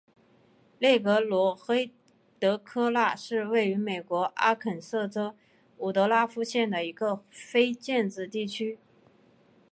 内格罗黑德科纳是位于美国阿肯色州伍德拉夫县的一个非建制地区。